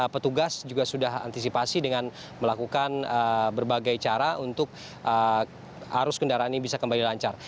petugas juga sudah antisipasi dengan melakukan berbagai cara untuk arus kendaraan ini bisa kembali lancar